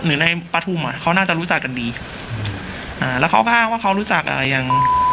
หรือในประทุมเขาน่าจะรู้จักกันดีแล้วเขาก็ว่าเขารู้จักอย่าง